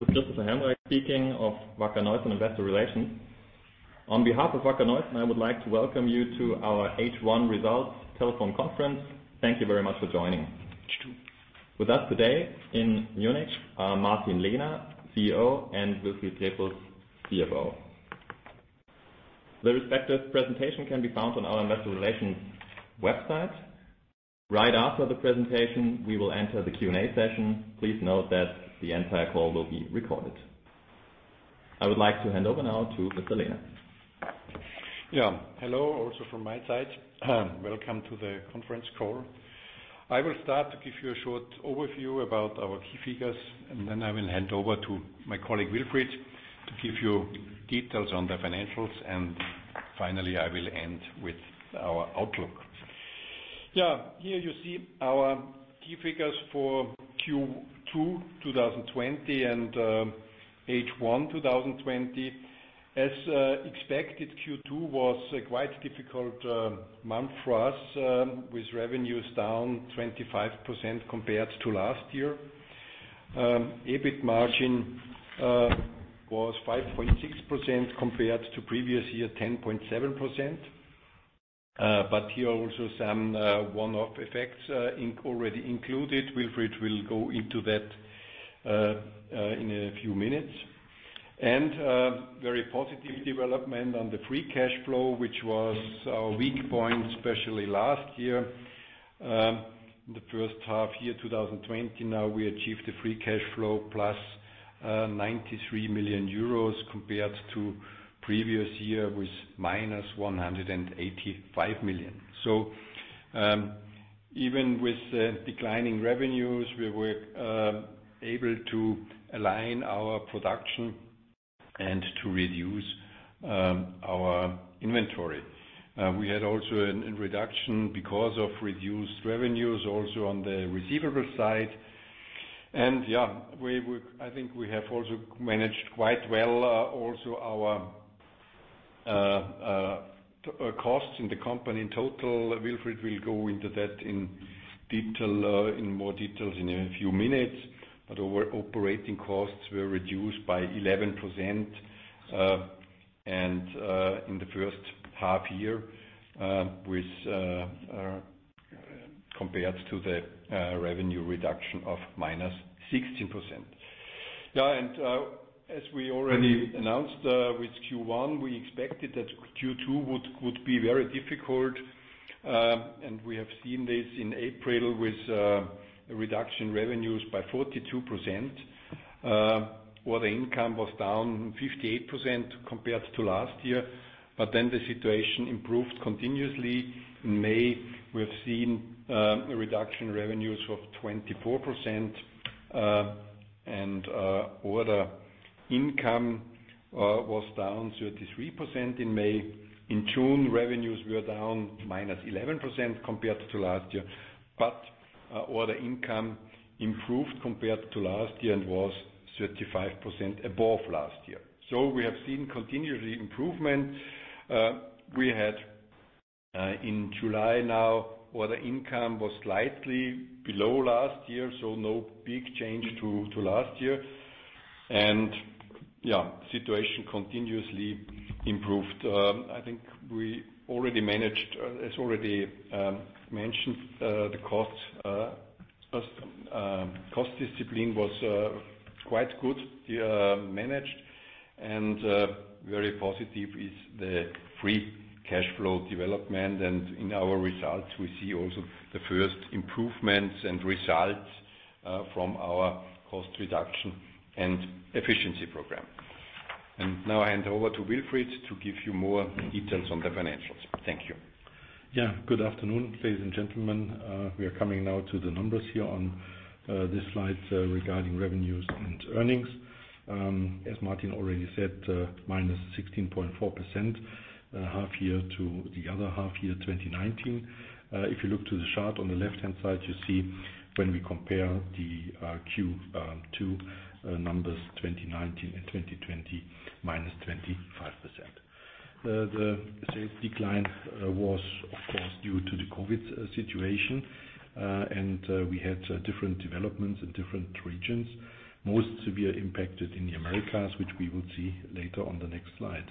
This is Christopher Helmreich speaking of Wacker Neuson Investor Relations. On behalf of Wacker Neuson, I would like to welcome you to our H1 Results telephone conference. Thank you very much for joining. With us today in Munich are Martin Lehner, CEO, and Wilfried Trepels, CFO. The respective presentation can be found on our investor relations website. Right after the presentation, we will enter the Q&A session. Please note that the entire call will be recorded. I would like to hand over now to Mr. Lehner. Yeah. Hello, also from my side. Welcome to the conference call. I will start to give you a short overview about our key figures, then I will hand over to my colleague Wilfried to give you details on the financials. Finally, I will end with our outlook. Yeah. Here you see our key figures for Q2 2020 and H1 2020. As expected, Q2 was a quite difficult month for us, with revenues down 25% compared to last year. EBIT margin was 5.6% compared to previous year, 10.7%. Here also some one-off effects already included. Wilfried will go into that in a few minutes. Very positive development on the free cash flow, which was our weak point, especially last year. In the first half year 2020 now, we achieved a free cash flow plus 93 million euros compared to previous year with minus 185 million. Even with declining revenues, we were able to align our production and to reduce our inventory. We had also a reduction because of reduced revenues also on the receivable side. Yeah, I think we have also managed quite well also our costs in the company in total. Wilfried will go into that in more details in a few minutes. Our operating costs were reduced by 11% and in the first half year compared to the revenue reduction of minus 16%. Yeah, as we already announced with Q1, we expected that Q2 would be very difficult. We have seen this in April with a reduction in revenues by 42%, where the income was down 58% compared to last year. Then the situation improved continuously. In May, we have seen a reduction in revenues of 24%, and order income was down 33% in May. In June, revenues were down minus 11% compared to last year. Order income improved compared to last year and was 35% above last year. We have seen continuous improvement. We had in July now, order income was slightly below last year, so no big change to last year. Yeah, situation continuously improved. I think we already managed, as already mentioned, the cost discipline was quite good managed and very positive is the free cash flow development. In our results, we see also the first improvements and results from our cost reduction and efficiency program. Now I hand over to Wilfried to give you more details on the financials. Thank you. Good afternoon, ladies and gentlemen. We are coming now to the numbers here on this slide regarding revenues and earnings. As Martin Lehner already said, -16.4% half year to the other half year 2019. If you look to the chart on the left-hand side, you see when we compare the Q2 numbers 2019 and 2020, -25%. The sales decline was of course due to the COVID situation. We had different developments in different regions, most severe impacted in the Americas, which we will see later on the next slide.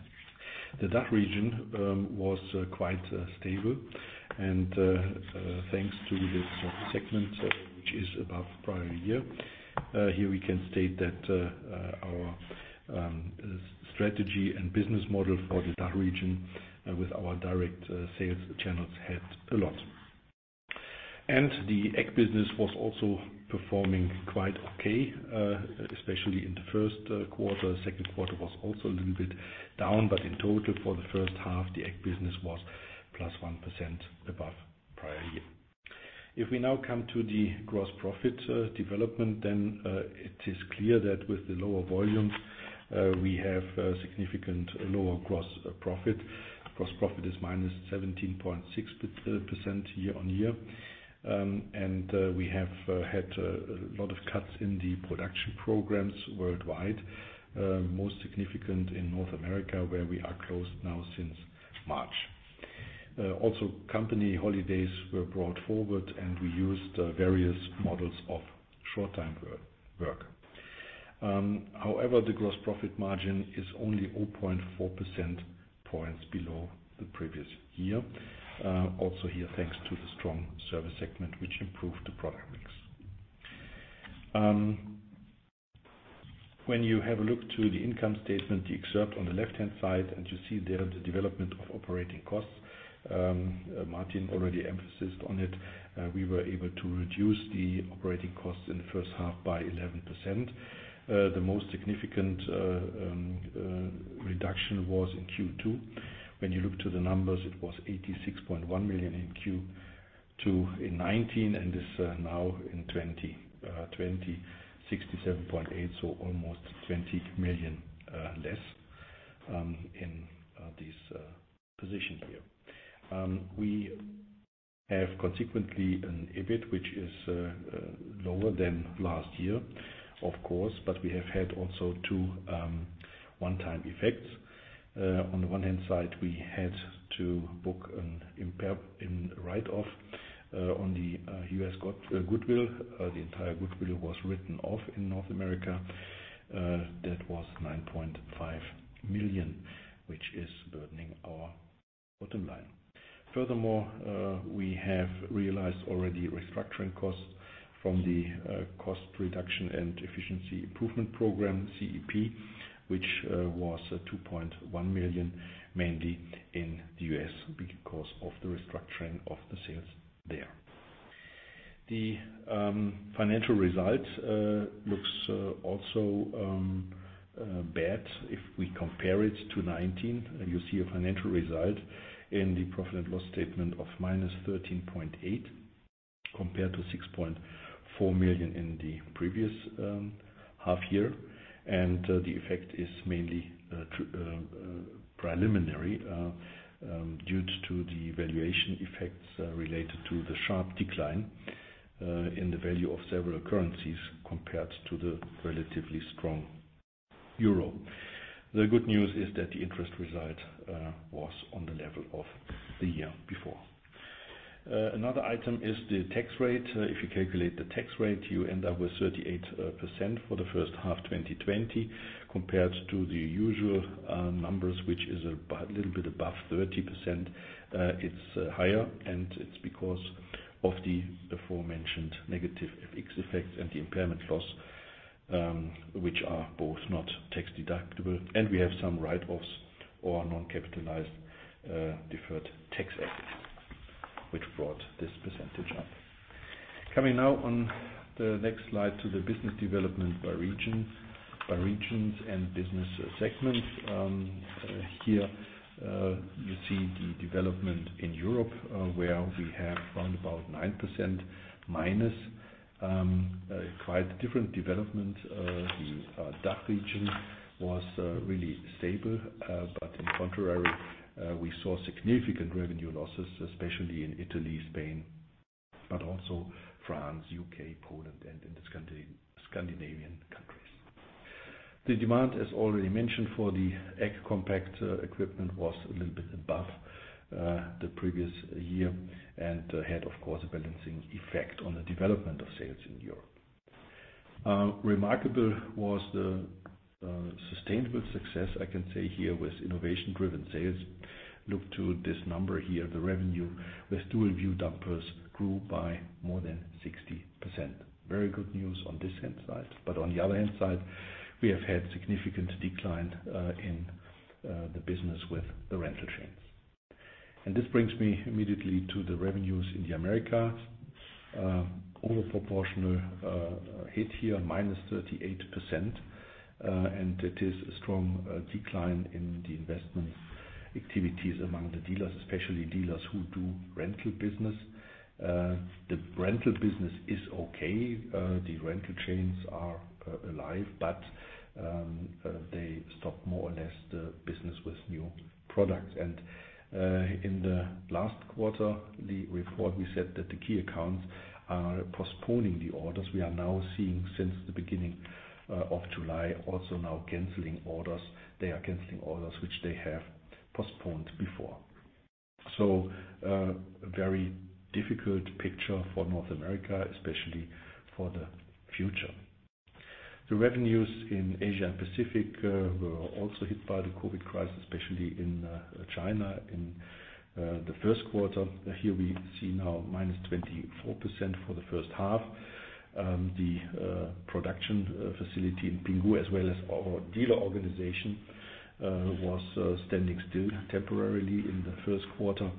The DACH region was quite stable and thanks to this segment, which is above prior year. Here we can state that our strategy and business model for the DACH region with our direct sales channels helped a lot. The ag business was also performing quite okay, especially in the first quarter. Second quarter was also a little bit down, but in total for the first half, the ag business was +1% above prior year. If we now come to the gross profit development, it is clear that with the lower volumes, we have a significant lower gross profit. Gross profit is -17.6% year-on-year. We have had a lot of cuts in the production programs worldwide. Most significant in North America, where we are closed now since March. Also, company holidays were brought forward and we used various models of short-time work. However, the gross profit margin is only 0.4 percentage points below the previous year. Also here, thanks to the strong service segment, which improved the product mix. When you have a look to the income statement, the excerpt on the left-hand side, you see there the development of operating costs. Martin Lehner already emphasized on it. We were able to reduce the operating costs in the first half by 11%. The most significant reduction was in Q2. When you look to the numbers, it was 86.1 million in Q2 in 2019, is now in 2020, 67.8 million, so almost 20 million less in this position here. We have consequently an EBIT which is lower than last year, of course, but we have had also two one-time effects. On the one hand side, we had to book a write-off on the U.S. goodwill. The entire goodwill was written off in North America. That was 9.5 million, which is burdening our bottom line. Furthermore, we have realized already restructuring costs from the Cost Reduction and Efficiency Improvement Program, CEIP, which was 2.1 million, mainly in the U.S., because of the restructuring of the sales there. The financial result looks also bad if we compare it to 2019. You see a financial result in the profit and loss statement of -13.8 million, compared to 6.4 million in the previous half year. The effect is mainly preliminary due to the valuation effects related to the sharp decline in the value of several currencies compared to the relatively strong euro. The good news is that the interest result was on the level of the year before. Another item is the tax rate. If you calculate the tax rate, you end up with 38% for the first half 2020, compared to the usual numbers, which is a little bit above 30%. It is higher, and it is because of the aforementioned negative FX effects and the impairment loss, which are both not tax-deductible. We have some write-offs or non-capitalized deferred tax assets, which brought this percentage up. Coming now on the next slide to the business development by regions and business segments. Here you see the development in Europe, where we have around about -9%. Quite different development. The DACH region was really stable, but in contrary, we saw significant revenue losses, especially in Italy, Spain, but also France, U.K., Poland, and in the Scandinavian countries. The demand, as already mentioned, for the compact equipment was a little bit above the previous year and had, of course, a balancing effect on the development of sales in Europe. Remarkable was the sustainable success, I can say here, with innovation-driven sales. Look to this number here. The revenue with Dual View dumpers grew by more than 60%. Very good news on this hand side. On the other hand side, we have had significant decline in the business with the rental chains. This brings me immediately to the revenues in the Americas. Over proportional hit here, -38%, and it is a strong decline in the investment activities among the dealers, especially dealers who do rental business. The rental business is okay. The rental chains are alive, but they stop more or less the business with new products. In the last quarter, the report, we said that the key accounts are postponing the orders. We are now seeing since the beginning of July also now canceling orders. They are canceling orders which they have postponed before. A very difficult picture for North America, especially for the future. The revenues in Asia and Pacific were also hit by the COVID crisis, especially in China in the first quarter. Here we see now -24% for the first half. The production facility in Pinghu, as well as our dealer organization, was standing still temporarily in the first quarter.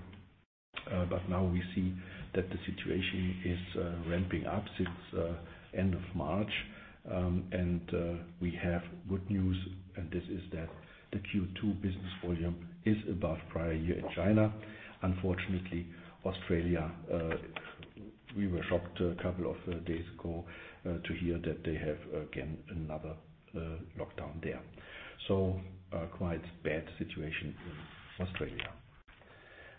Now we see that the situation is ramping up since end of March, and we have good news, and this is that the Q2 business volume is above prior year in China. Unfortunately, Australia, we were shocked a couple of days ago to hear that they have again another lockdown there. A quite bad situation in Australia.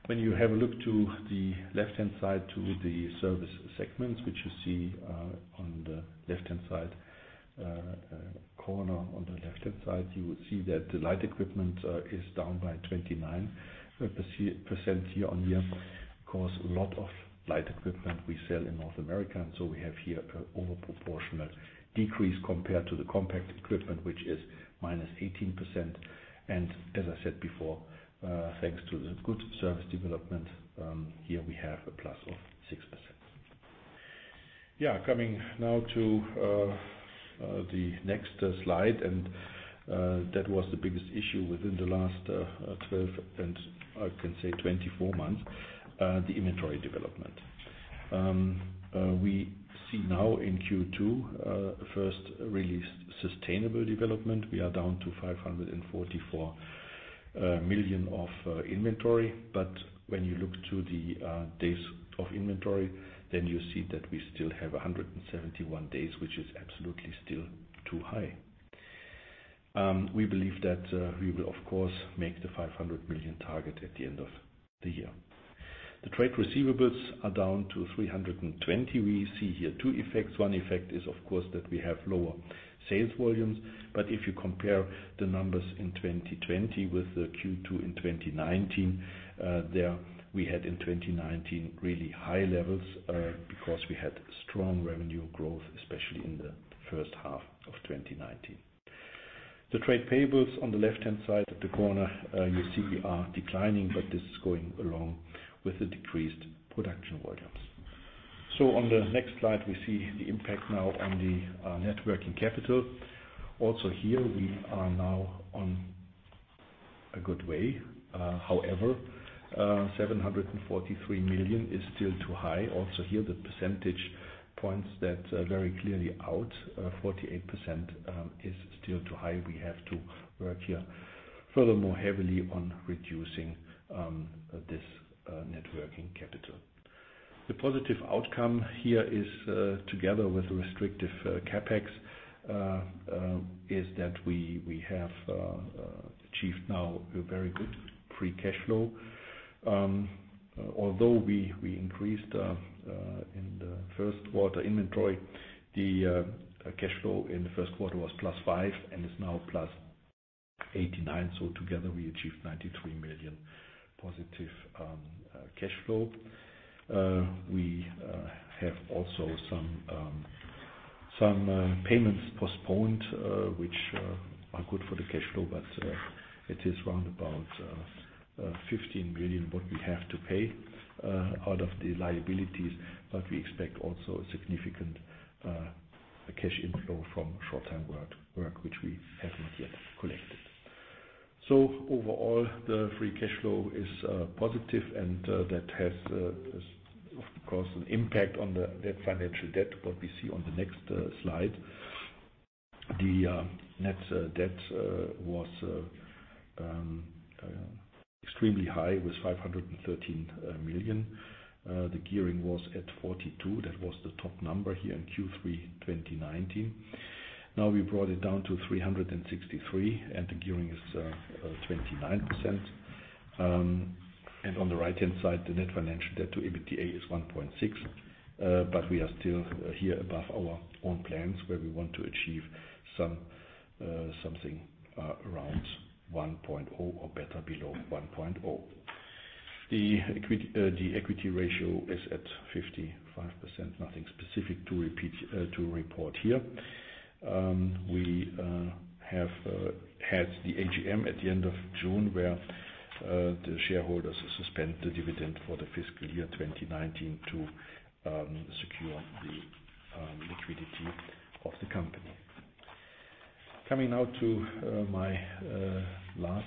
When you have a look to the left-hand side to the service segments, which you see on the left-hand side corner. On the left-hand side, you will see that the light equipment is down by 29% year-on-year. Of course, a lot of light equipment we sell in North America, so we have here an overproportional decrease compared to the compact equipment, which is -18%. As I said before, thanks to the good service development, here we have a +6%. Coming now to the next slide, and that was the biggest issue within the last 12 and I can say 24 months: the inventory development. We see now in Q2, first really sustainable development. We are down to 544 million of inventory. When you look to the days of inventory, then you see that we still have 171 days, which is absolutely still too high. We believe that we will, of course, make the 500 million target at the end of the year. The trade receivables are down to 320 million. We see here two effects. One effect is, of course, that we have lower sales volumes. If you compare the numbers in 2020 with the Q2 in 2019, there we had in 2019 really high levels because we had strong revenue growth, especially in the first half of 2019. The trade payables on the left-hand side at the corner, you see we are declining, this is going along with the decreased production volumes. On the next slide, we see the impact now on the net working capital. Also here we are now on a good way. However, 743 million is still too high. Also here, the percentage points that are very clearly out, 48% is still too high. We have to work here furthermore heavily on reducing this net working capital. The positive outcome here is together with restrictive CapEx, is that we have achieved now a very good free cash flow. Although we increased in the first quarter inventory, the cash flow in the first quarter was plus 5 and is now plus 89. Together we achieved 93 million positive cash flow. We have also some payments postponed, which are good for the cash flow, it is around about 15 million what we have to pay out of the liabilities. We expect also a significant cash inflow from short-term work which we have not yet collected. Overall, the free cash flow is positive and that has, of course, an impact on the net financial debt. What we see on the next slide. The net debt was extremely high with 513 million. The gearing was at 42%. That was the top number here in Q3 2019. Now we brought it down to 363 million and the gearing is 29%. On the right-hand side, the net financial debt to EBITDA is 1.6, we are still here above our own plans where we want to achieve something around 1.0 or better below 1.0. The equity ratio is at 55%. Nothing specific to report here. We have had the AGM at the end of June where the shareholders suspend the dividend for the fiscal year 2019 to secure the liquidity of the company. Coming now to my last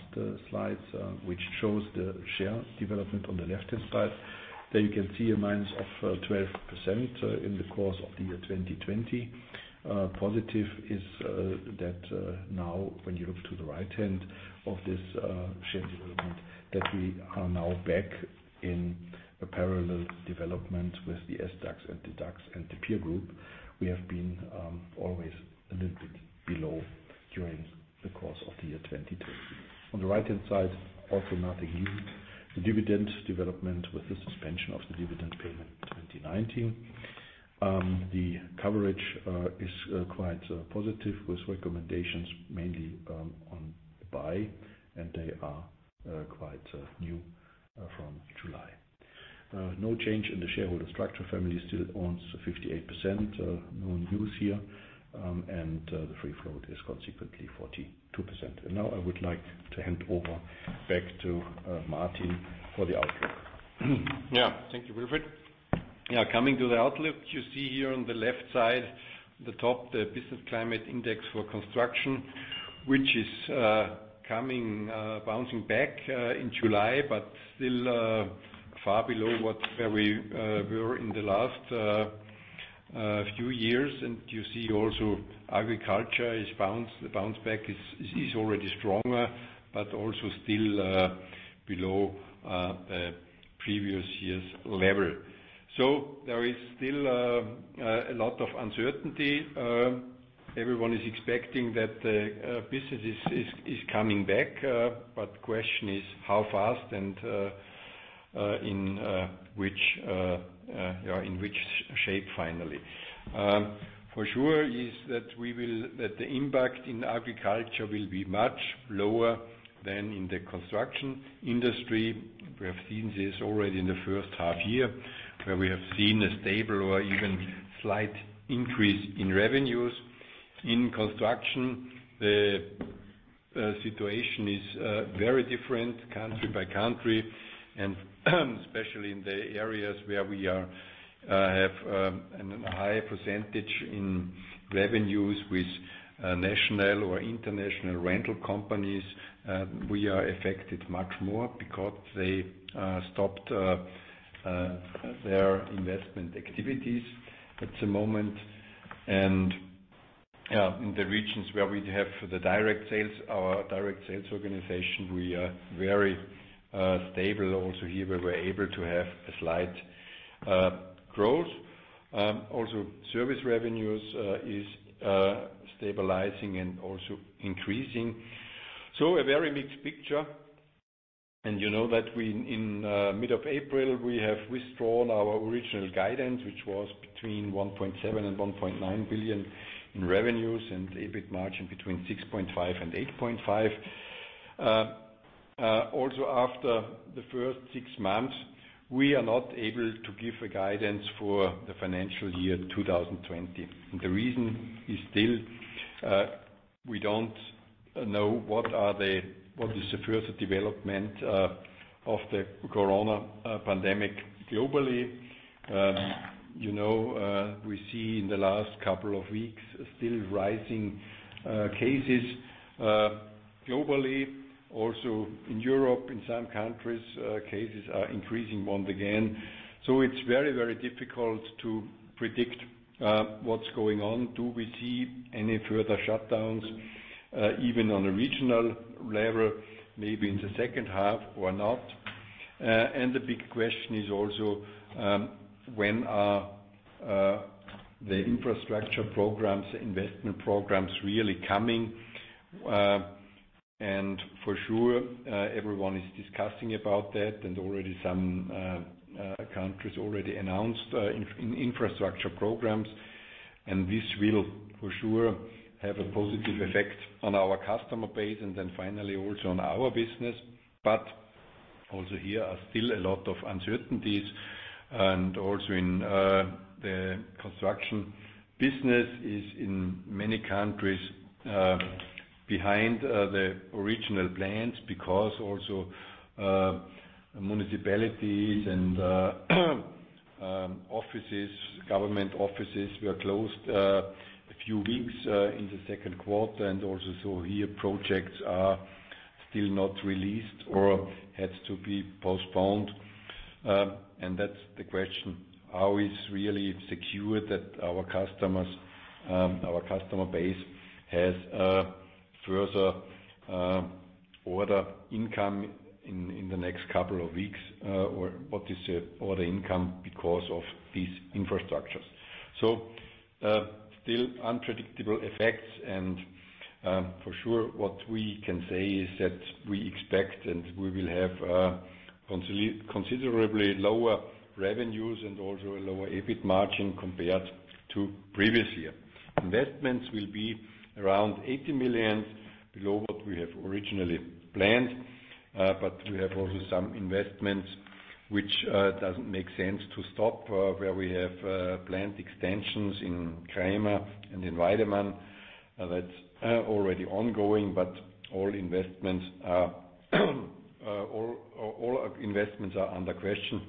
slides, which shows the share development on the left-hand side. There you can see a minus of 12% in the course of the year 2020. Positive is that now when you look to the right-hand side of this share development, that we are now back in a parallel development with the SDAX and the DAX and the peer group. We have been always a little bit below during the course of the year 2020. On the right-hand side, also nothing new. The dividend development with the suspension of the dividend payment 2019. The coverage is quite positive with recommendations mainly on buy and they are quite new from July. No change in the shareholder structure. Family still owns 58%, no news here. The free float is consequently 42%. Now I would like to hand over back to Martin for the outlook. Thank you, Wilfried. Coming to the outlook. You see here on the left side, the top, the business climate index for construction, which is bouncing back in July, but still far below where we were in the last few years. You see also agriculture bounce back is already stronger, but also still below the previous year's level. There is still a lot of uncertainty. Everyone is expecting that the business is coming back. The question is how fast and in which shape, finally. For sure is that the impact in agriculture will be much lower than in the construction industry. We have seen this already in the first half-year, where we have seen a stable or even slight increase in revenues. In construction, the situation is very different country by country, especially in the areas where we have a higher percentage in revenues with national or international rental companies. We are affected much more because they stopped their investment activities at the moment. In the regions where we have our direct sales organization, we are very stable. Also here we were able to have a slight growth. Also, service revenues is stabilizing and also increasing. A very mixed picture. You know that in mid-April, we have withdrawn our original guidance, which was between 1.7 billion and 1.9 billion in revenues, and EBIT margin between 6.5% and 8.5%. Also, after the first six months, we are not able to give a guidance for the financial year 2020. The reason is still, we don't know what is the further development of the COVID pandemic globally. We see in the last couple of weeks still rising cases globally, also in Europe, in some countries, cases are increasing once again. It's very difficult to predict what's going on. Do we see any further shutdowns, even on a regional level, maybe in the second half or not? The big question is also, when are the infrastructure programs, investment programs really coming? For sure, everyone is discussing about that, already some countries already announced infrastructure programs, this will, for sure, have a positive effect on our customer base and then finally, also on our business. Also here are still a lot of uncertainties. Also in the construction business is in many countries behind the original plans because also municipalities and government offices were closed a few weeks in the second quarter. Also here, projects are still not released or had to be postponed. That's the question, how is really secured that our customer base has a further order income in the next couple of weeks? What is the order income because of these infrastructures? Still unpredictable effects and for sure what we can say is that we expect and we will have considerably lower revenues and also a lower EBIT margin compared to previous year. Investments will be around 80 million below what we have originally planned. But we have also some investments which doesn't make sense to stop where we have planned extensions in Kramer and in Weidemann. That's already ongoing. All investments are under question.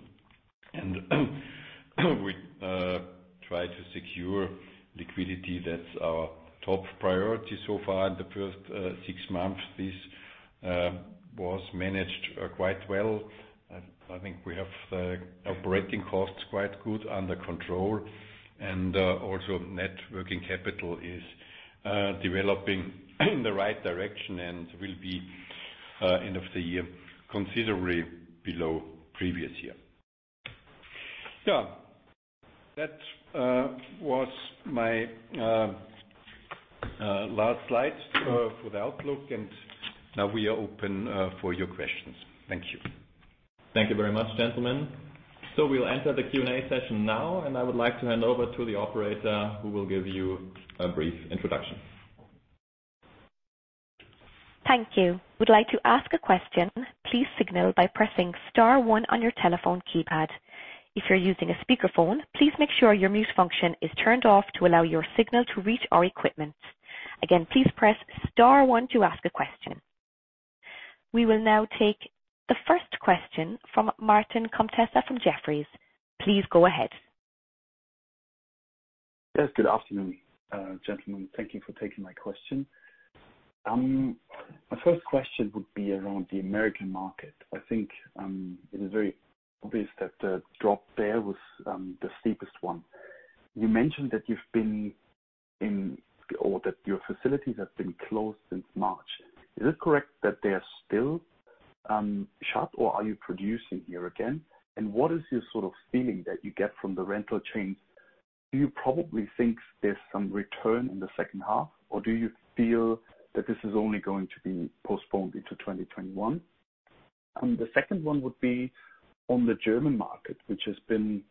We try to secure liquidity. That's our top priority so far in the first six months. This was managed quite well. I think we have the operating costs quite good under control. Also net working capital is developing in the right direction and will be end of the year considerably below previous year. That was my last slide for the outlook. Now we are open for your questions. Thank you. Thank you very much, gentlemen. We'll enter the Q&A session now. I would like to hand over to the operator who will give you a brief introduction. Thank you. If you would like to ask a question, please signal by pressing star one on your telephone keypad. If you're using a speakerphone, please make sure your mute function is turned off to allow your signal to reach our equipment. Again, please press star one to ask a question. We will now take the first question from Martin Comtesse from Jefferies. Please go ahead. Yes, good afternoon, gentlemen. Thank you for taking my question. My first question would be around the American market. I think it is very obvious that the drop there was the steepest one. You mentioned that your facilities have been closed since March. Is it correct that they are still shut or are you producing here again? What is your sort of feeling that you get from the rental chains? Do you probably think there's some return in the second half, or do you feel that this is only going to be postponed into 2021? The second one would be on the German market, which has been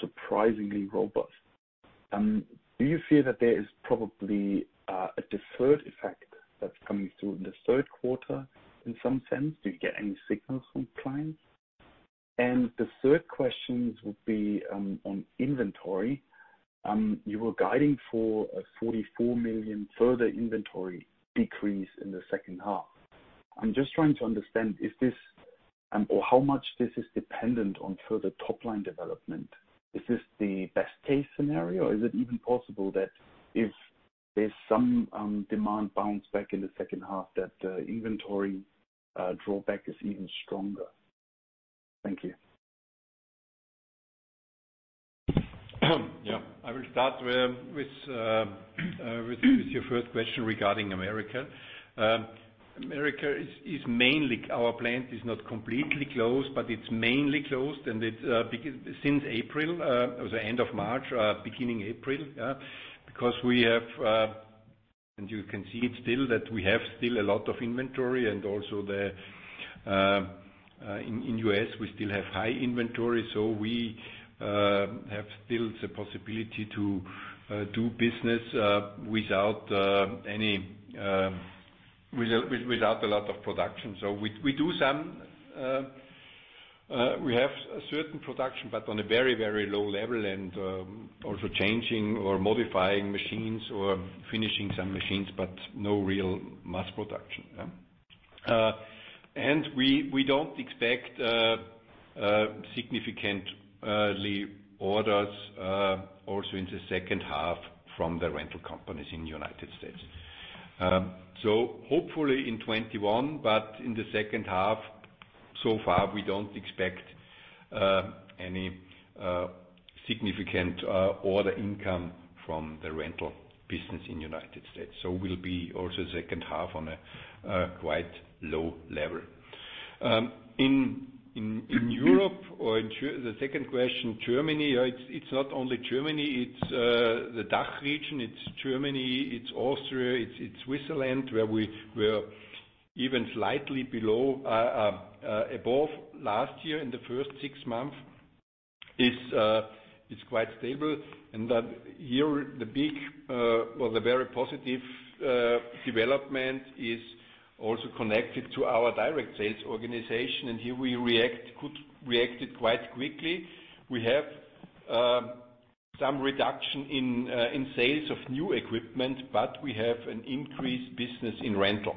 surprisingly robust. Do you feel that there is probably a deferred effect that's coming through in the third quarter in some sense? Do you get any signals from clients? The third question would be on inventory. You were guiding for a 44 million further inventory decrease in the second half. I am just trying to understand how much this is dependent on further top-line development. Is this the best-case scenario, or is it even possible that if there's some demand bounce back in the second half, that the inventory drawback is even stronger? Thank you. I will start with your first question regarding America. America is mainly, our plant is not completely closed, but it's mainly closed, since April or the end of March, beginning April. Because we have, and you can see it still, that we have still a lot of inventory and also in U.S., we still have high inventory. We have still the possibility to do business without a lot of production. We do some. We have a certain production, but on a very low level and also changing or modifying machines or finishing some machines, but no real mass production. We don't expect significantly orders also in the second half from the rental companies in the United States. Hopefully in 2021, but in the second half, so far, we don't expect any significant order income from the rental business in the United States. We'll be also second half on a quite low level. In Europe or the second question, Germany. It's not only Germany, it's the DACH region. It's Germany, it's Austria, it's Switzerland, where we're even slightly above last year in the first six months. It's quite stable. That here, the big, well, the very positive development is also connected to our direct sales organization. Here we reacted quite quickly. We have some reduction in sales of new equipment, but we have an increased business in rental.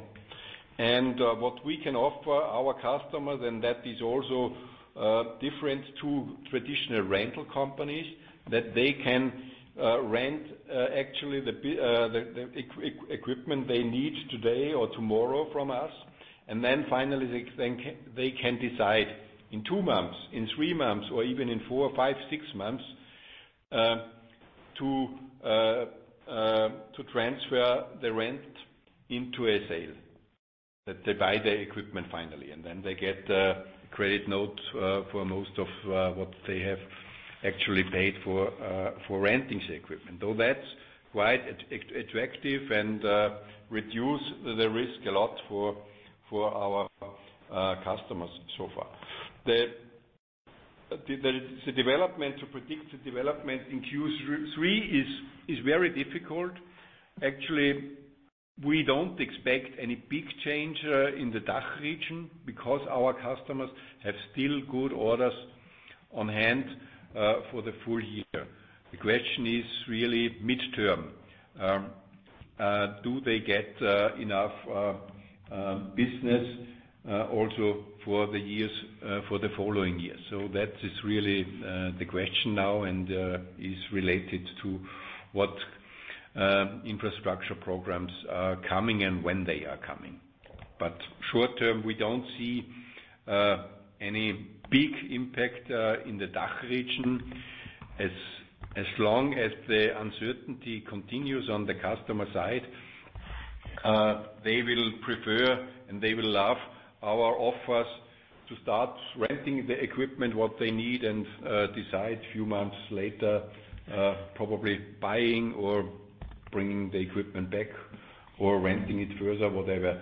What we can offer our customers, and that is also different to traditional rental companies, that they can rent, actually the equipment they need today or tomorrow from us. Then finally, they can decide in two months, in three months, or even in four or five, six months, to transfer the rent into a sale. That they buy the equipment finally, they get a credit note for most of what they have actually paid for renting the equipment. That's quite attractive and reduce the risk a lot for our customers so far. To predict the development in Q3 is very difficult. Actually, we don't expect any big change in the DACH region because our customers have still good orders on hand for the full year. The question is really midterm. Do they get enough business also for the following years? That is really the question now and is related to what infrastructure programs are coming and when they are coming. Short-term, we don't see any big impact in the DACH region as long as the uncertainty continues on the customer side. They will prefer, they will love our offers to start renting the equipment, what they need, and decide a few months later, probably buying or bringing the equipment back or renting it further, whatever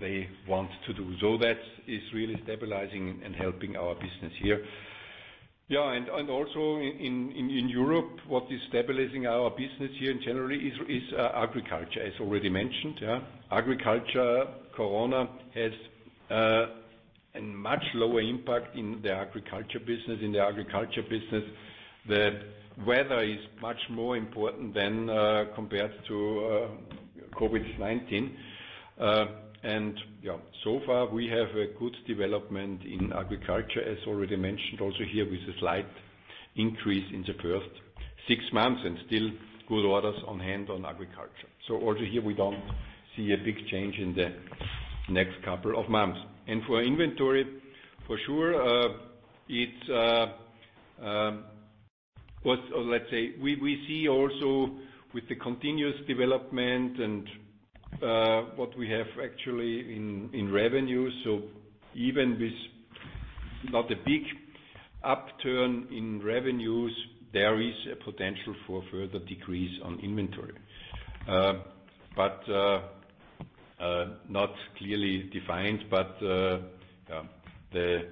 they want to do. That is really stabilizing and helping our business here. Also in Europe, what is stabilizing our business here in January is agriculture, as already mentioned. Agriculture, COVID has a much lower impact in the agriculture business. In the agriculture business, the weather is much more important than compared to COVID-19. Yeah, so far we have a good development in agriculture, as already mentioned, also here with a slight increase in the first six months and still good orders on hand on agriculture. Also here we don't see a big change in the next couple of months. For inventory, for sure it's we see also with the continuous development and what we have actually in revenue. Even with not a big upturn in revenues, there is a potential for further decrease on inventory. Not clearly defined. The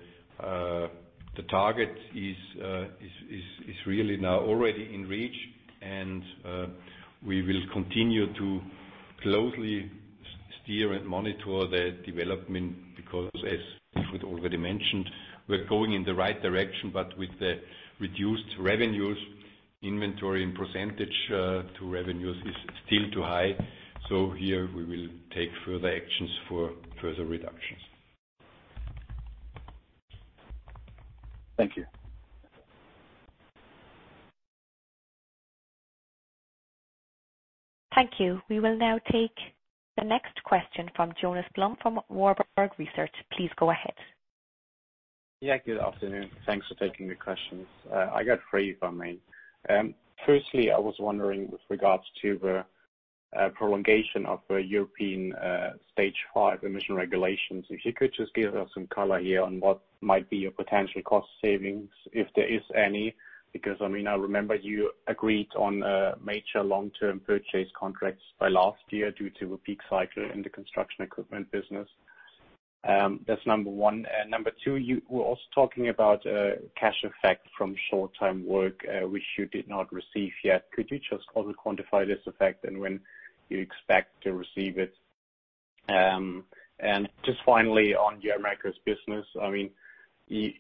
target is really now already in reach, and we will continue to closely steer and monitor the development because, as Wilfried already mentioned, we're going in the right direction, but with the reduced revenues, inventory and percentage to revenues is still too high. Here we will take further actions for further reductions. Thank you. Thank you. We will now take the next question from Jonas Blom from Warburg Research. Please go ahead. Good afternoon. Thanks for taking the questions. I got three, if I may. Firstly, I was wondering with regards to the prolongation of the European Stage V emission regulations, if you could just give us some color here on what might be your potential cost savings, if there is any, because I mean, I remember you agreed on major long-term purchase contracts by last year due to a peak cycle in the construction equipment business. That's number 1. Number 2, you were also talking about cash effect from short time work, which you did not receive yet. Could you just also quantify this effect and when you expect to receive it? Just finally on your Americas business,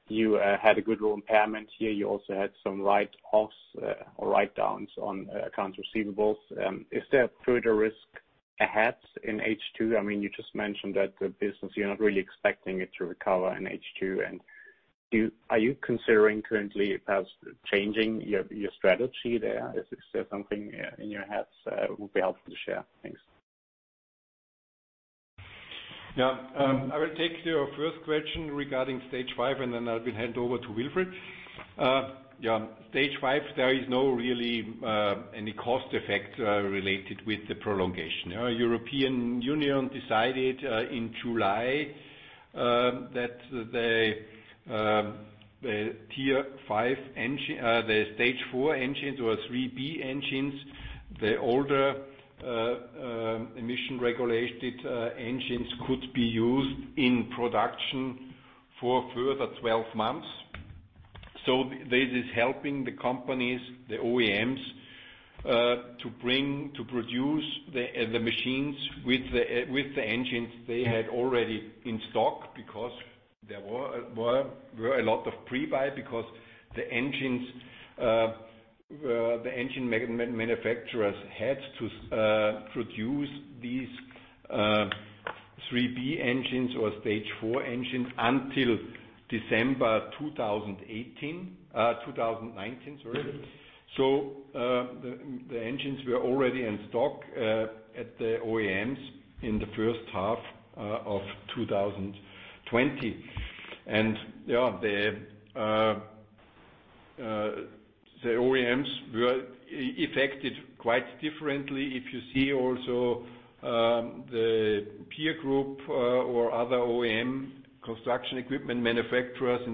you had a goodwill impairment here. You also had some write-offs or write-downs on accounts receivables. Is there a further risk ahead in H2? You just mentioned that the business, you're not really expecting it to recover in H2. Are you considering currently perhaps changing your strategy there? Is there something in your heads? It would be helpful to share. Thanks. I will take your first question regarding Stage V, then I will hand over to Wilfried. Stage V, there is not really any cost effect related with the prolongation. European Union decided in July, that the Stage IV engines or IIIB engines, the older emission-regulated engines, could be used in production for a further 12 months. This is helping the companies, the OEMs, to produce the machines with the engines they had already in stock because there were a lot of pre-buy because the engine manufacturers had to produce these IIIB engines or Stage IV engines until December 2019. The engines were already in stock at the OEMs in the first half of 2020. The OEMs were affected quite differently. If you see also the peer group or other OEM construction equipment manufacturers,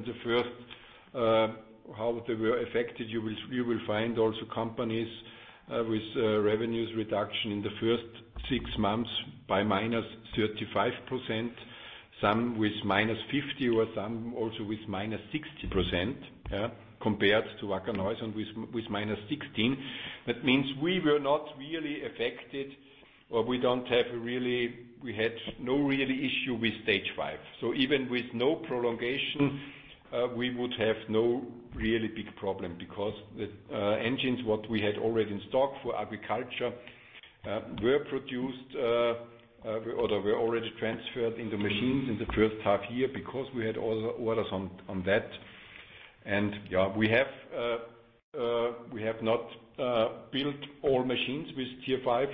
how they were affected. You will find also companies with revenues reduction in the first six months by -35%, some with -50% or some also with -60%, compared to Wacker Neuson with -16%. That means we were not really affected, or we had no really issue with Stage V. Even with no prolongation, we would have no really big problem because the engines, what we had already in stock for agriculture, were already transferred in the machines in the first half year because we had orders on that. We have not built all machines with Stage V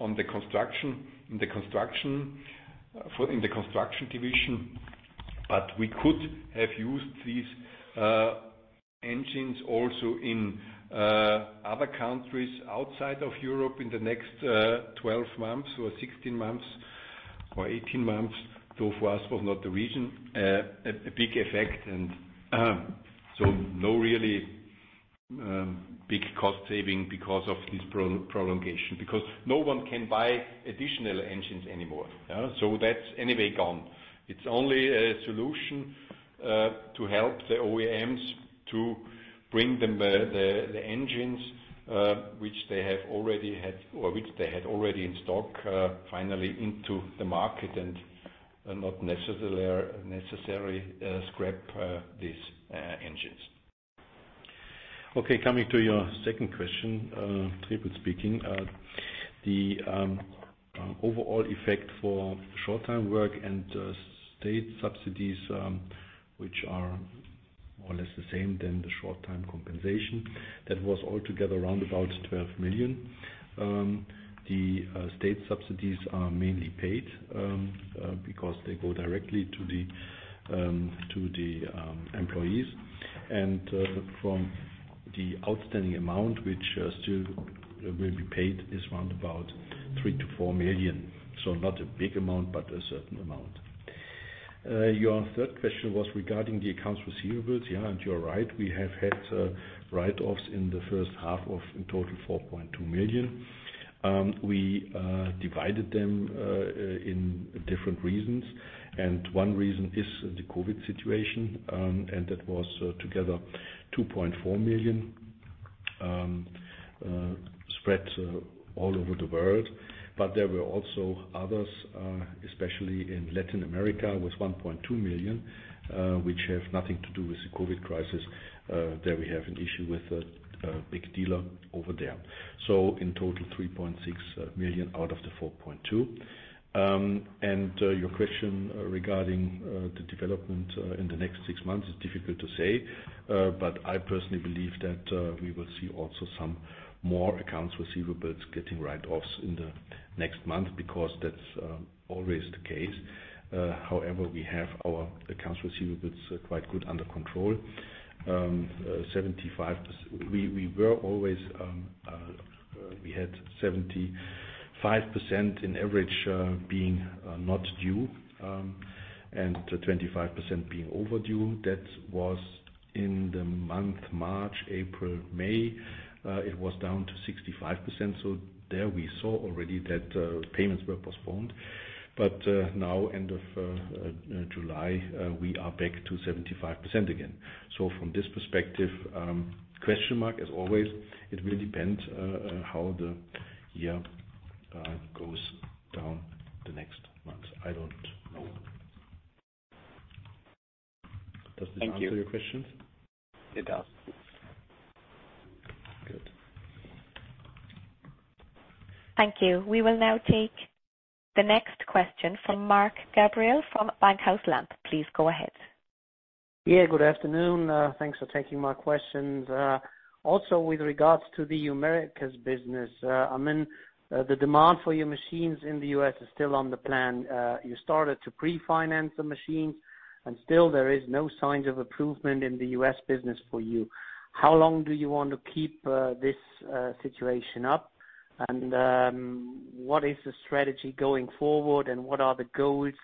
in the construction division, but we could have used these engines also in other countries outside of Europe in the next 12 months or 16 months, or 18 months. For us, was not a big effect and no really big cost saving because of this prolongation, because no one can buy additional engines anymore. That's anyway gone. It's only a solution to help the OEMs to bring the engines which they had already in stock, finally into the market and not necessarily scrap these engines. Okay, coming to your second question, Wilfried Trepels speaking. The overall effect for short time work and state subsidies, which are more or less the same than the short time compensation, that was altogether around about 12 million. The state subsidies are mainly paid, because they go directly to the employees. From the outstanding amount, which still will be paid, is around about 3 million-4 million. Not a big amount, but a certain amount. Your third question was regarding the accounts receivables. You're right, we have had write-offs in the first half of, in total, 4.2 million. We divided them in different reasons, one reason is the COVID situation, and that was together 2.4 million spread all over the world. There were also others, especially in Latin America, with 1.2 million, which have nothing to do with the COVID crisis. There we have an issue with a big dealer over there. In total, 3.6 million out of the 4.2 million. Your question regarding the development in the next six months is difficult to say, but I personally believe that we will see also some more accounts receivables getting write-offs in the next month, because that's always the case. However, we have our accounts receivables quite good under control. We had 75% in average being not due, and 25% being overdue. That was in the month March, April, May. It was down to 65%, there we saw already that payments were postponed. Now, end of July, we are back to 75% again. From this perspective, question mark as always. It will depend how the year goes down the next months. I don't know. Thank you. Does this answer your questions? It does. Good. Thank you. We will now take the next question from Mark Gabriel from Bankhaus Lampe. Please go ahead. Good afternoon. Thanks for taking my questions. With regards to the Americas business, the demand for your machines in the U.S. is still on the plan. You started to pre-finance the machines and still there are no signs of improvement in the U.S. business for you. How long do you want to keep this situation up? What is the strategy going forward, and what are the goals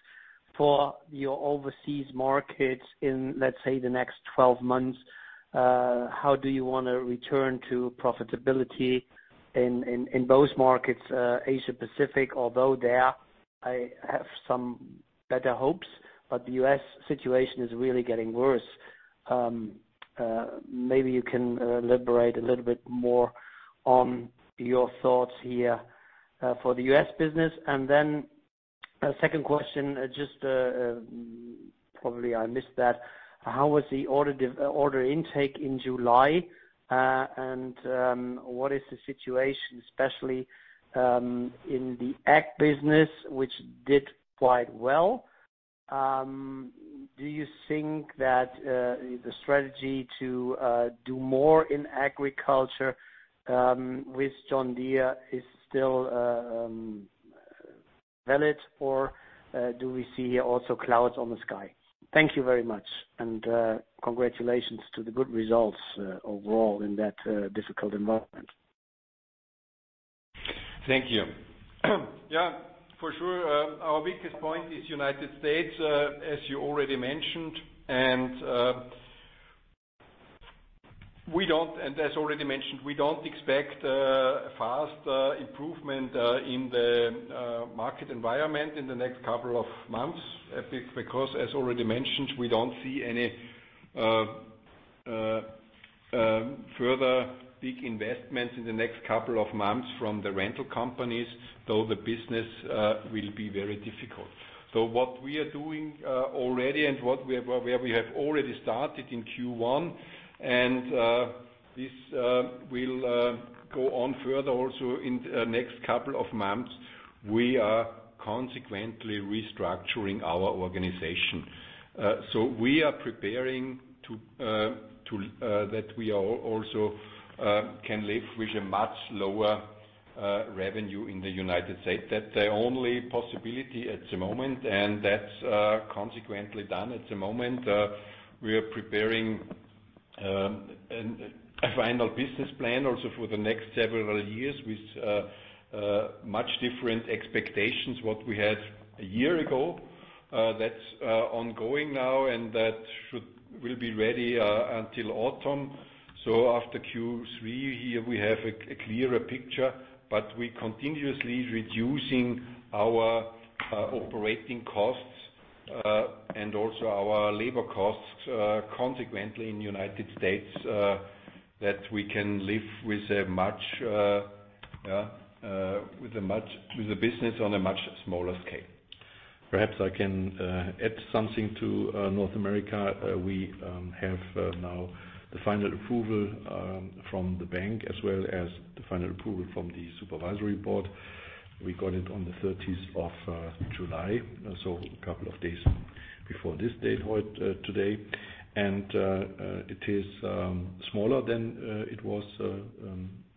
for your overseas markets in, let's say, the next 12 months? How do you want to return to profitability in both markets? Asia-Pacific, although there I have some better hopes, but the U.S. situation is really getting worse. Maybe you can elaborate a little bit more on your thoughts here for the U.S. business. A second question, just probably I missed that. How was the order intake in July? What is the situation, especially in the ag business, which did quite well? Do you think that the strategy to do more in agriculture with John Deere is still valid, or do we see also clouds on the sky? Thank you very much, and congratulations to the good results overall in that difficult environment. Thank you. For sure our weakest point is United States, as you already mentioned. As already mentioned, we don't expect a fast improvement in the market environment in the next couple of months. As already mentioned, we don't see any further big investments in the next couple of months from the rental companies, though the business will be very difficult. What we are doing already and what we have already started in Q1, and this will go on further also in the next couple of months. We are consequently restructuring our organization. We are preparing that we also can live with a much lower revenue in the United States. That's the only possibility at the moment, and that's consequently done at the moment. We are preparing a final business plan also for the next several years with much different expectations what we had a year ago. That's ongoing now, and that will be ready until autumn. After Q3 here, we have a clearer picture, but we continuously reducing our operating costs and also our labor costs consequently in United States that we can live with the business on a much smaller scale. Perhaps I can add something to North America. We have now the final approval from the bank as well as the final approval from the supervisory board. We got it on the 30th of July, a couple of days before this date today. It is smaller than it was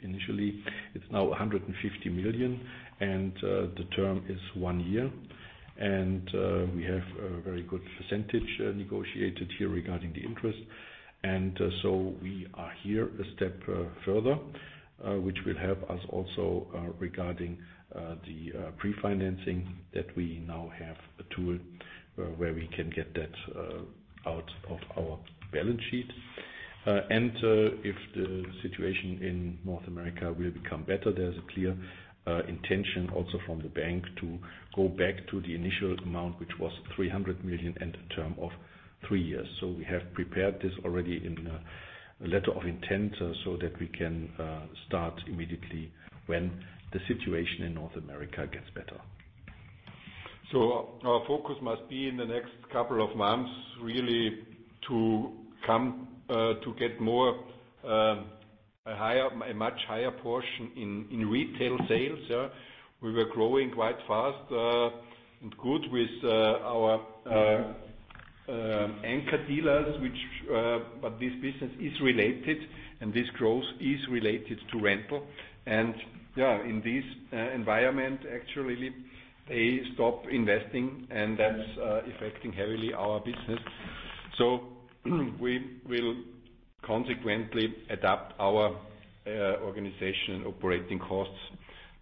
initially. It's now 150 million, and the term is one year. We have a very good percentage negotiated here regarding the interest. We are here a step further, which will help us also regarding the pre-financing that we now have a tool where we can get that out of our balance sheet. If the situation in North America will become better, there is a clear intention also from the bank to go back to the initial amount, which was 300 million and a term of three years. We have prepared this already in a letter of intent that we can start immediately when the situation in North America gets better. Our focus must be in the next couple of months, really to get a much higher portion in retail sales. We were growing quite fast and good with our anchor dealers, but this business is related and this growth is related to rental. In this environment, actually, they stop investing and that's affecting heavily our business. We will consequently adapt our organization operating costs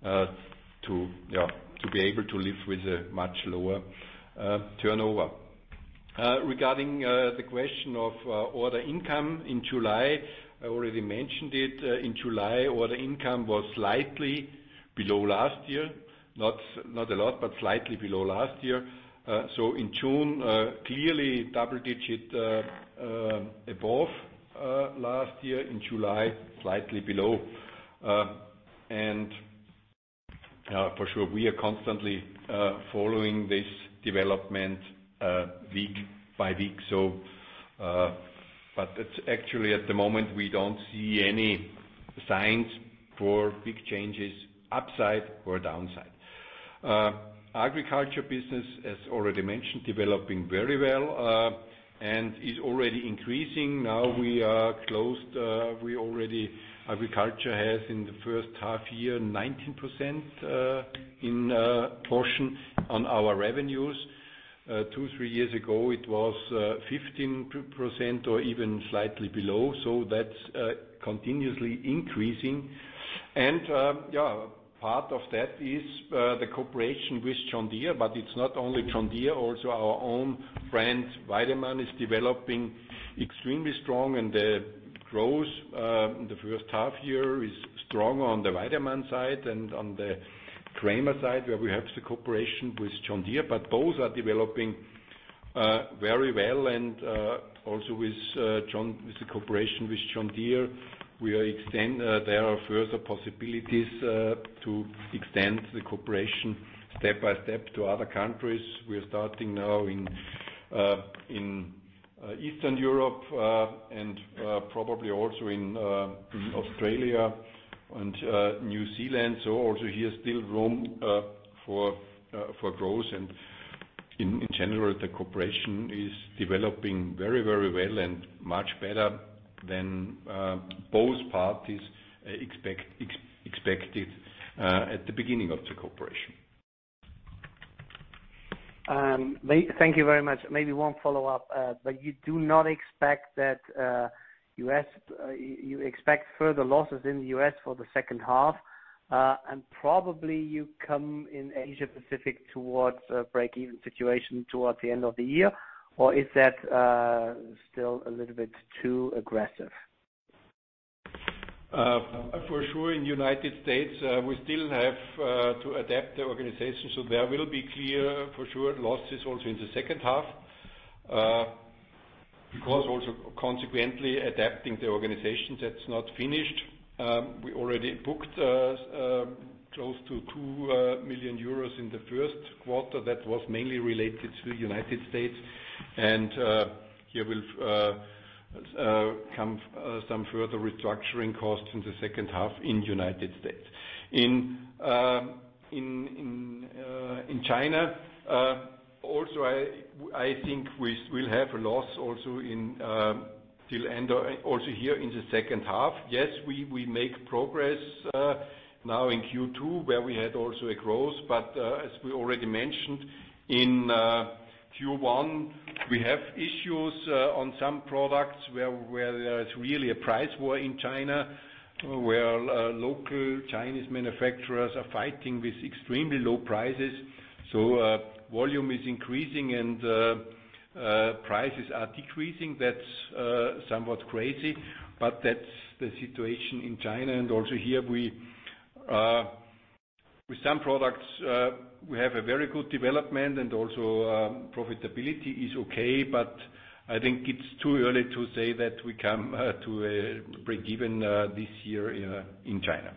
to be able to live with a much lower turnover. Regarding the question of order income in July, I already mentioned it. In July, order income was slightly below last year. Not a lot, but slightly below last year. In June, clearly double digit above last year. In July, slightly below. For sure, we are constantly following this development week by week. Actually at the moment, we don't see any signs for big changes, upside or downside. Agriculture business, as already mentioned, developing very well and is already increasing. Agriculture has in the first half year, 19% in portion on our revenues. Two, three years ago it was 15% or even slightly below. That's continuously increasing. Part of that is the cooperation with John Deere, but it's not only John Deere, also our own brand, Weidemann, is developing extremely strong and the growth in the first half year is strong on the Weidemann side and on the Kramer side, where we have the cooperation with John Deere. Both are developing very well and also with the cooperation with John Deere, there are further possibilities to extend the cooperation step by step to other countries. We're starting now in Eastern Europe and probably also in Australia and New Zealand. Also here, still room for growth and in general the cooperation is developing very well and much better than both parties expected at the beginning of the cooperation. Thank you very much. Maybe one follow-up. You expect further losses in the U.S. for the second half? Probably you come in Asia Pacific towards a break-even situation towards the end of the year? Or is that still a little bit too aggressive? For sure, in United States, we still have to adapt the organization. There will be clear for sure losses also in the second half. Because also consequently adapting the organization, that's not finished. We already booked close to 2 million euros in the first quarter. That was mainly related to the United States and here will come some further restructuring costs in the second half in United States. In China, also I think we will have a loss also here in the second half. Yes, we make progress now in Q2 where we had also a growth. As we already mentioned in Q1, we have issues on some products where there's really a price war in China, where local Chinese manufacturers are fighting with extremely low prices. Volume is increasing and prices are decreasing. That's somewhat crazy, but that's the situation in China. Also here with some products we have a very good development and also profitability is okay, but I think it's too early to say that we come to a break-even this year in China.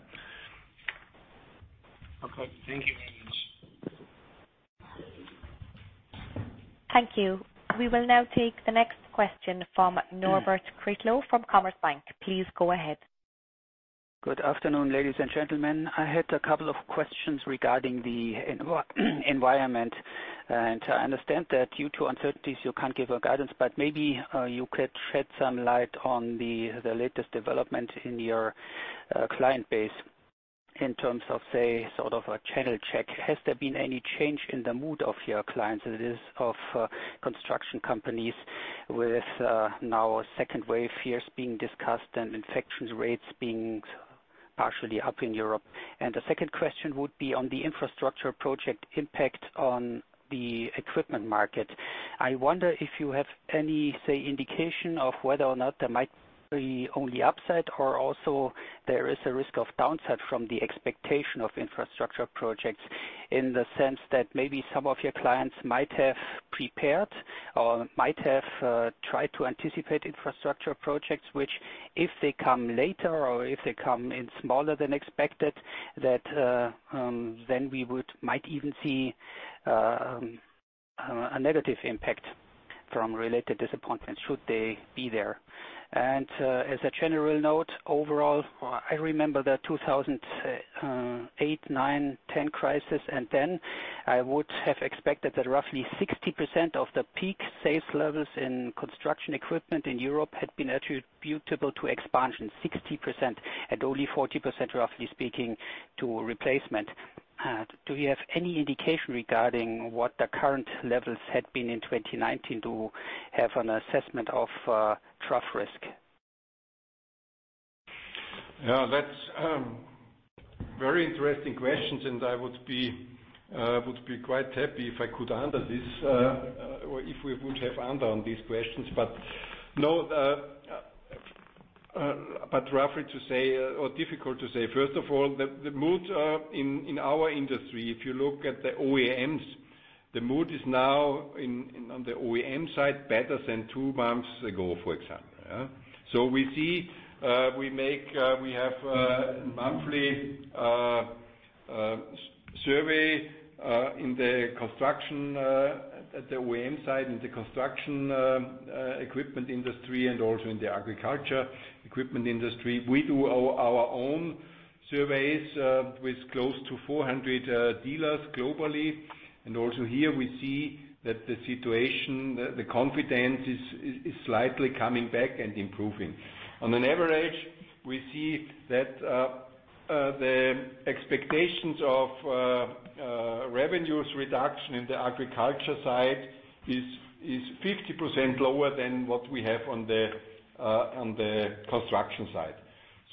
Okay. Thank you very much. Thank you. We will now take the next question from Norbert Kretlow from Commerzbank. Please go ahead. Good afternoon, ladies and gentlemen. I had a couple of questions regarding the environment. I understand that due to uncertainties you can't give a guidance, but maybe you could shed some light on the latest development in your client base in terms of, say, sort of a channel check. Has there been any change in the mood of your clients? That is, of construction companies with now a second wave fears being discussed and infection rates being partially up in Europe. The second question would be on the infrastructure project impact on the equipment market. I wonder if you have any, say, indication of whether or not there might be only upside or also there is a risk of downside from the expectation of infrastructure projects in the sense that maybe some of your clients might have prepared or might have tried to anticipate infrastructure projects, which, if they come later or if they come in smaller than expected, that then we might even see a negative impact from related disappointments should they be there. As a general note, overall, I remember the 2008, 2009, 2010 crisis. Then I would have expected that roughly 60% of the peak sales levels in construction equipment in Europe had been attributable to expansion, 60%, and only 40%, roughly speaking, to replacement. Do you have any indication regarding what the current levels had been in 2019 to have an assessment of trough risk? That's very interesting questions, and I would be quite happy if I could answer this or if we would have answer on these questions. Roughly to say or difficult to say, first of all, the mood in our industry, if you look at the OEMs, the mood is now on the OEM side better than 2 months ago, for example. We see, we have monthly survey in the construction at the OEM side, in the construction equipment industry and also in the agriculture equipment industry. We do our own surveys with close to 400 dealers globally. Also here we see that the situation, the confidence is slightly coming back and improving. On an average, we see that the expectations of revenues reduction in the agriculture side is 50% lower than what we have on the construction side.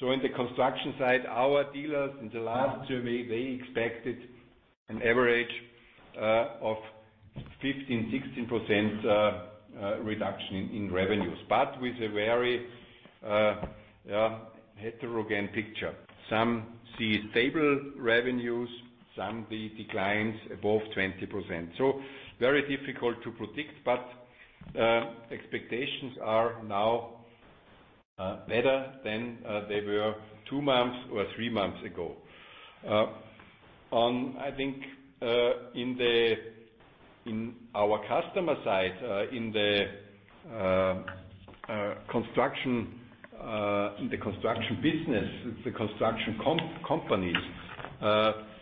In the construction side, our dealers in the last survey, they expected an average of 15, 16% reduction in revenues. With a very heterogeneous picture. Some see stable revenues, some see declines above 20%. Very difficult to predict, but expectations are now better than they were 2 months or 3 months ago. I think, in our customer side, in the construction business, the construction companies,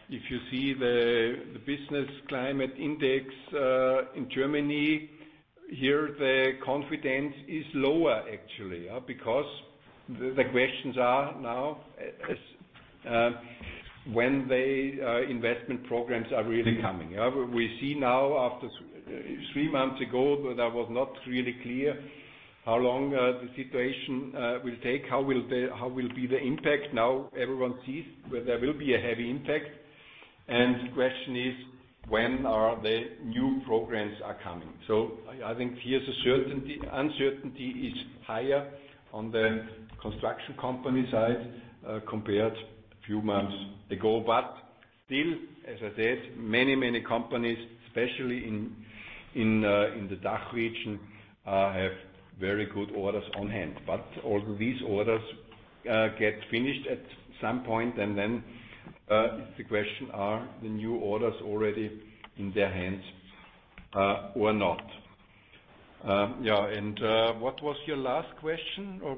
if you see the business climate index in Germany, here the confidence is lower actually, because the questions are now when the investment programs are really coming. We see now after 3 months ago that was not really clear how long the situation will take, how will be the impact. Now everyone sees there will be a heavy impact. The question is when are the new programs are coming? I think here the uncertainty is higher on the construction company side compared a few months ago. Still, as I said, many companies, especially in the DACH region, have very good orders on hand. All these orders get finished at some point, the question are the new orders already in their hands or not? What was your last question, or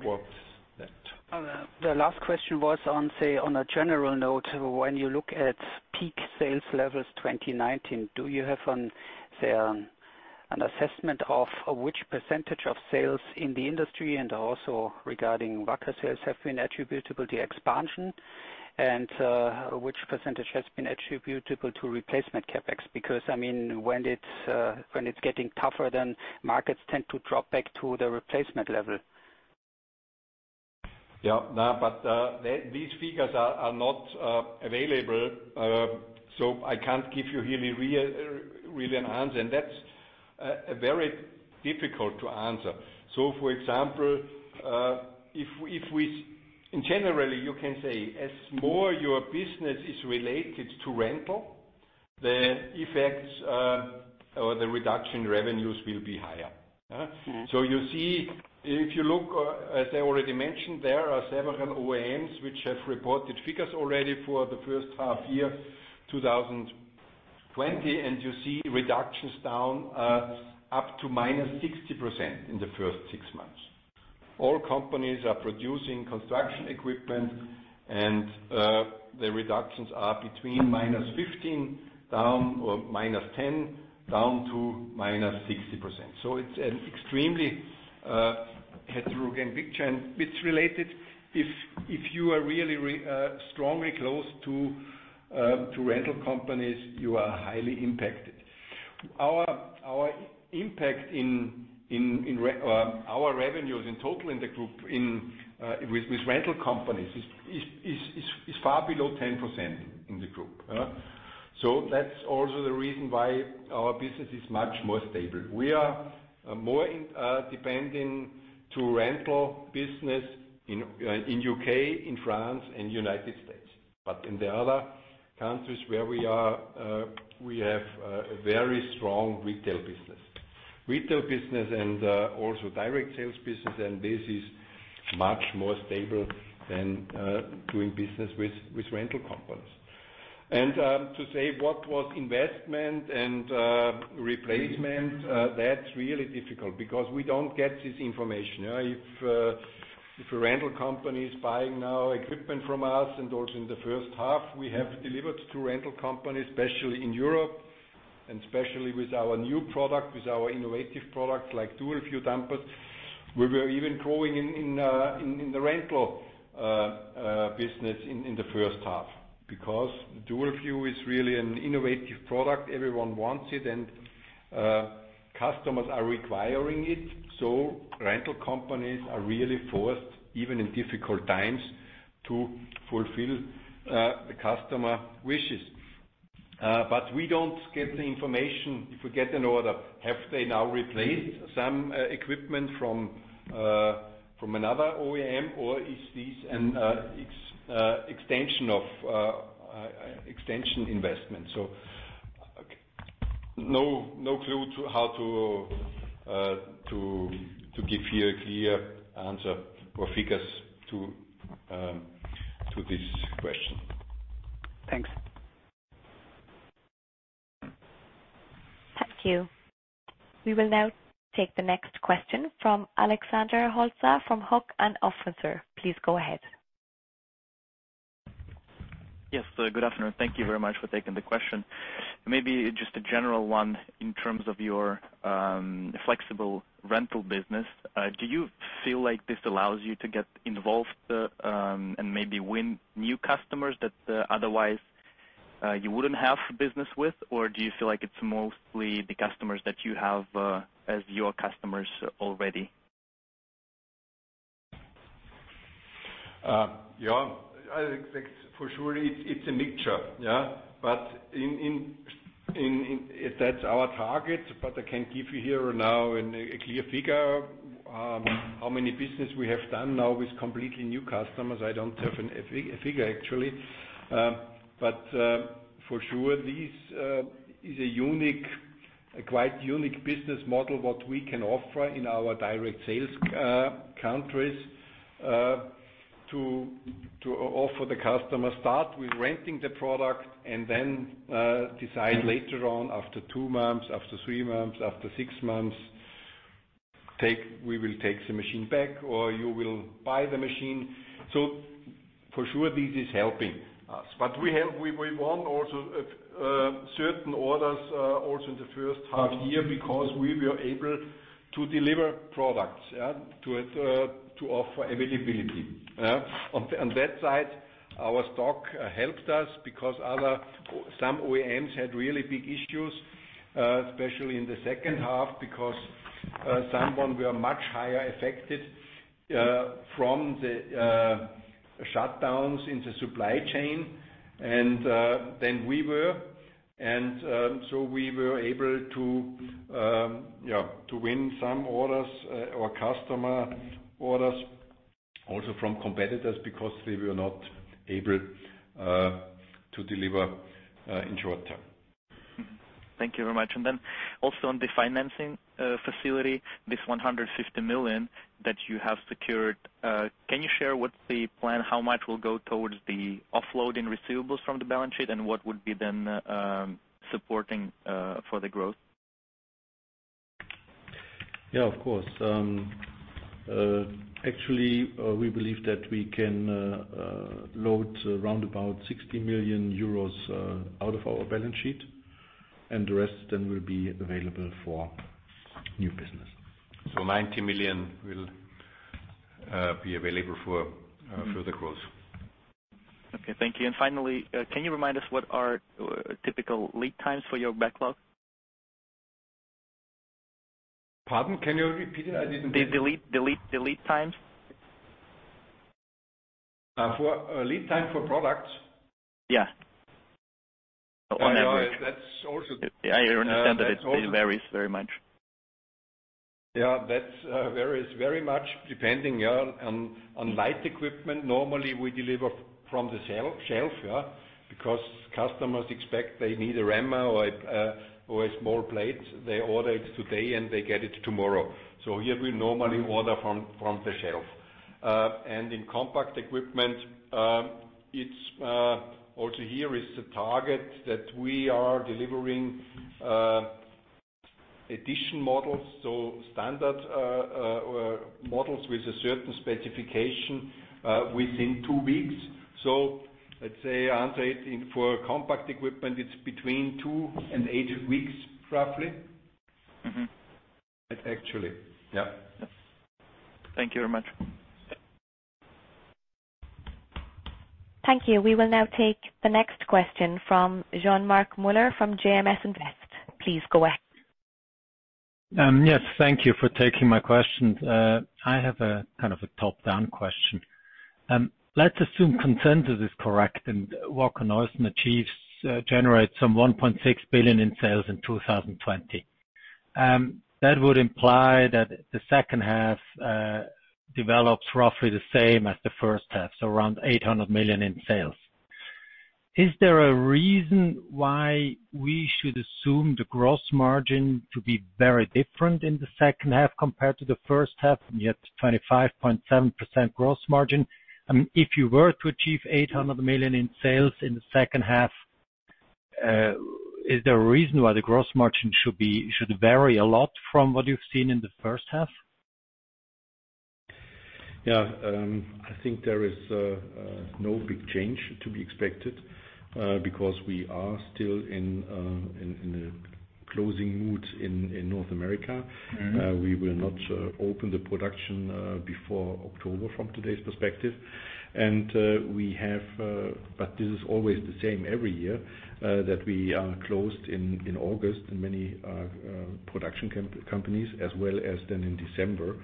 what's that? The last question was on, say on a general note, when you look at peak sales levels 2019, do you have an assessment of which percentage of sales in the industry and also regarding Wacker sales have been attributable to expansion and which percentage has been attributable to replacement CapEx? When it's getting tougher, then markets tend to drop back to the replacement level. These figures are not available. I can't give you really an answer, and that's very difficult to answer. For example, generally you can say as more your business is related to rental, the effects or the reduction in revenues will be higher. You see, if you look, as I already mentioned, there are several OEMs which have reported figures already for the first half year 2020, and you see reductions down up to -60% in the first six months. All companies are producing construction equipment, the reductions are between -15 down or -10 down to -60%. It's an extremely heterogeneous picture. It's related if you are really strongly close to rental companies, you are highly impacted. Our impact in our revenues in total in the group with rental companies is far below 10% in the group. That's also the reason why our business is much more stable. We are more dependent to rental business in U.K., in France and U.S. In the other countries where we are, we have a very strong retail business. Retail business and also direct sales business, this is much more stable than doing business with rental companies. To say what was investment and replacement, that's really difficult because we don't get this information. If a rental company is buying now equipment from us and also in the first half we have delivered to rental companies, especially in Europe and especially with our new product, with our innovative products like Dual View dumpers. We were even growing in the rental business in the first half because Dual View is really an innovative product. Everyone wants it and customers are requiring it. Rental companies are really forced, even in difficult times, to fulfill the customer wishes. We don't get the information. If we get an order, have they now replaced some equipment from another OEM or is this an extension investment? No clue how to give here a clear answer or figures to this question. Thanks. Thank you. We will now take the next question from Alexander Holler, from Hauck & Aufhäuser. Please go ahead. Yes, good afternoon. Thank you very much for taking the question. Maybe just a general one in terms of your flexible rental business. Do you feel like this allows you to get involved, and maybe win new customers that, otherwise, you wouldn't have business with? Or do you feel like it's mostly the customers that you have as your customers already? Yeah. For sure, it's a mixture. That's our target, but I can't give you here now a clear figure how many business we have done now with completely new customers. I don't have a figure, actually. For sure, this is a quite unique business model what we can offer in our direct sales countries to offer the customer, start with renting the product and then decide later on after two months, after three months, after six months, we will take the machine back or you will buy the machine. For sure, this is helping us. We won also certain orders also in the first half year because we were able to deliver products. To offer availability. On that side, our stock helped us because some OEMs had really big issues, especially in the second half because some were much higher affected from the shutdowns in the supply chain than we were. We were able to win some orders or customer orders also from competitors because they were not able to deliver in short time. Thank you very much. Also on the financing facility, this 150 million that you have secured, can you share what the plan, how much will go towards the offloading receivables from the balance sheet, and what would be then supporting for the growth? Yeah, of course. Actually, we believe that we can load around about 60 million euros out of our balance sheet, and the rest then will be available for new business. 90 million will be available for the growth. Okay. Thank you. Finally, can you remind us what are typical lead times for your backlog? Pardon? Can you repeat it? I didn't get it. The lead times. Lead time for products? Yeah. On average. That's also. I understand that it varies very much. Yeah, that varies very much depending on light equipment. Normally we deliver from the shelf. Because customers expect they need a rammer or a small plate. They order it today and they get it tomorrow. Here we normally order from the shelf. In compact equipment, also here is the target that we are delivering addition models, so standard models with a certain specification, within two weeks. Let's say, Alexander, for compact equipment, it's between two and eight weeks, roughly. Actually. Yep. Thank you very much. Thank you. We will now take the next question from Jean-Marc Mueller from JMS. Please go ahead. Yes. Thank you for taking my questions. I have a top-down question. Let's assume consensus is correct and Wacker Neuson achieves, generates some 1.6 billion in sales in 2020. That would imply that the second half develops roughly the same as the first half, so around 800 million in sales. Is there a reason why we should assume the gross margin to be very different in the second half compared to the first half, and yet 25.7% gross margin? If you were to achieve 800 million in sales in the second half, is there a reason why the gross margin should vary a lot from what you've seen in the first half? Yeah. I think there is no big change to be expected, because we are still in a closing mood in North America. We will not open the production before October from today's perspective. This is always the same every year, that we are closed in August in many production companies, as well as then in December.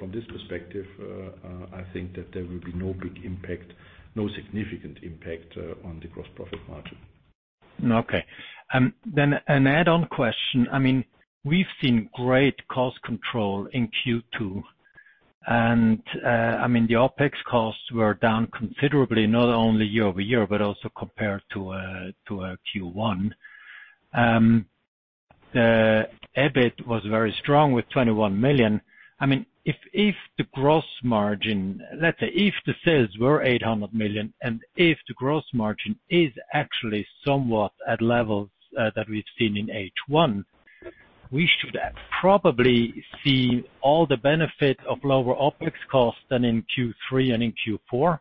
From this perspective, I think that there will be no big impact, no significant impact on the gross profit margin. Okay. An add-on question. We've seen great cost control in Q2, the OpEx costs were down considerably, not only year-over-year, but also compared to Q1. The EBIT was very strong with 21 million. Let's say, if the sales were 800 million, if the gross margin is actually somewhat at levels that we've seen in H1, we should probably see all the benefit of lower OpEx costs than in Q3 and in Q4.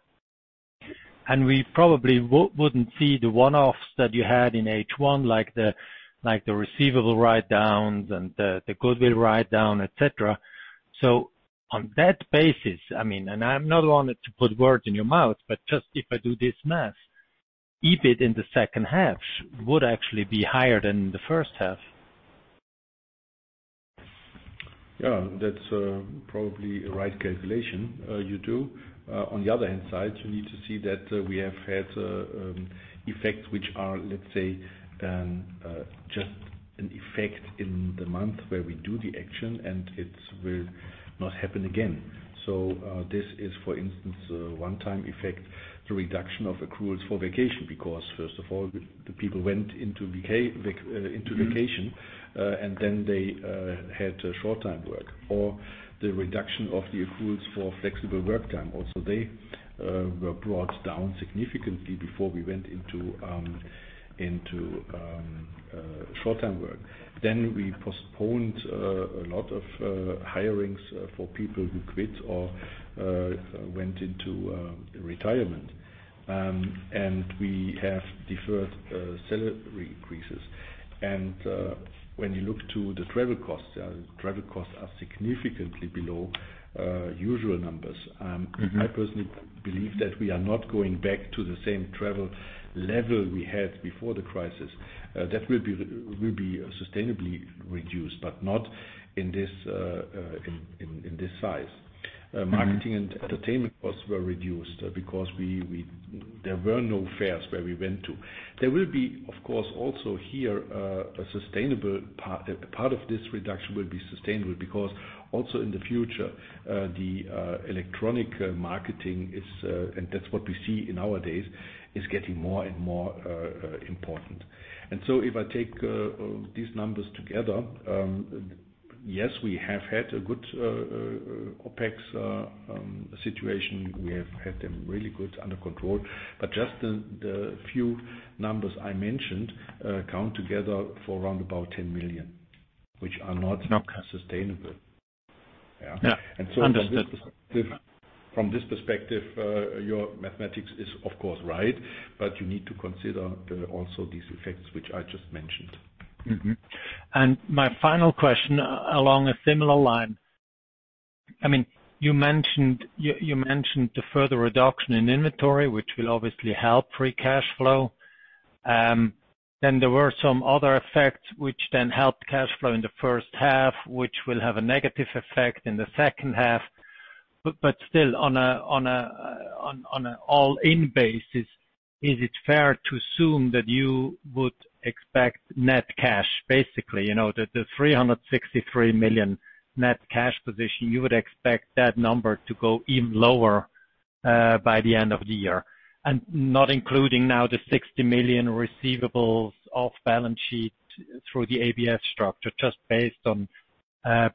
We probably wouldn't see the one-offs that you had in H1, like the receivable write-downs and the goodwill write-down, et cetera. On that basis, and I'm not wanting to put words in your mouth, but just if I do this math, EBIT in the second half would actually be higher than the first half. Yeah. That's probably a right calculation you do. On the other hand side, you need to see that we have had effects which are, let's say, just an effect in the month where we do the action, it will not happen again. This is, for instance, a one-time effect, the reduction of accruals for vacation, because first of all, the people went into vacation They had short time work, or the reduction of the accruals for flexible work time. They were brought down significantly before we went into short time work. We postponed a lot of hirings for people who quit or went into retirement. We have deferred salary increases. When you look to the travel costs, travel costs are significantly below usual numbers. I personally believe that we are not going back to the same travel level we had before the crisis. That will be sustainably reduced, but not in this size. Marketing and entertainment costs were reduced because there were no fairs where we went to. There will be, of course, also here, a part of this reduction will be sustainable, because also in the future, the electronic marketing is, and that's what we see in our days, is getting more and more important. So if I take these numbers together, yes, we have had a good OpEx situation. We have had them really good, under control. Just the few numbers I mentioned, count together for around about 10 million, which are not- Okay sustainable. Yeah. Yeah. Understood. From this perspective, your mathematics is, of course, right, but you need to consider also these effects which I just mentioned. Mm-hmm. My final question along a similar line. You mentioned the further reduction in inventory, which will obviously help free cash flow. There were some other effects which then helped cash flow in the first half, which will have a negative effect in the second half. Still, on an all-in basis, is it fair to assume that you would expect net cash, basically, the 363 million net cash position, you would expect that number to go even lower by the end of the year? Not including now the 60 million receivables off balance sheet through the ABS structure, just based on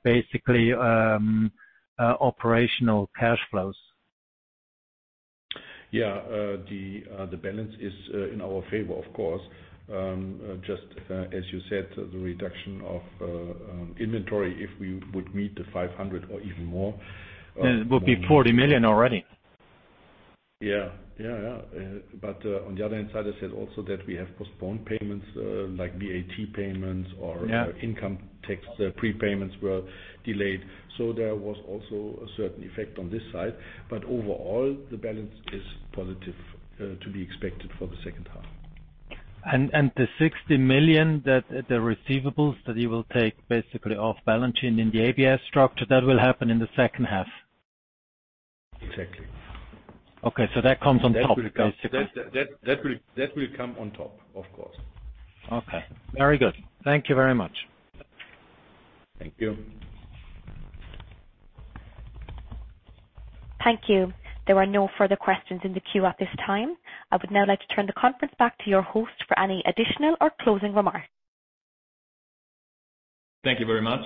basically operational cash flows. Yeah. The balance is in our favor, of course. Just as you said, the reduction of inventory, if we would meet the 500 or even more- It would be 40 million already. Yeah. On the other hand side, I said also that we have postponed payments, like VAT payments. Yeah Income tax prepayments were delayed. There was also a certain effect on this side. Overall, the balance is positive to be expected for the second half. The 60 million, the receivables that you will take basically off balance sheet in the ABS structure, that will happen in the second half? Exactly. Okay. That comes on top, basically. That will come on top, of course. Okay. Very good. Thank you very much. Thank you. Thank you. There are no further questions in the queue at this time. I would now like to turn the conference back to your host for any additional or closing remarks. Thank you very much.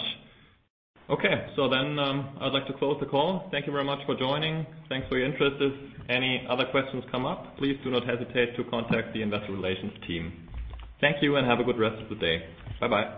Okay. I'd like to close the call. Thank you very much for joining. Thanks for your interest. If any other questions come up, please do not hesitate to contact the investor relations team. Thank you, and have a good rest of the day. Bye-bye.